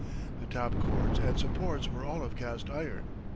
The top cords and supports were all of cast iron.